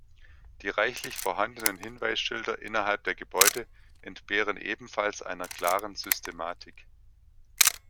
Die reichlich vorhandenen Hinweisschilder innerhalb der Gebäude entbehren ebenfalls einer klaren Systematik.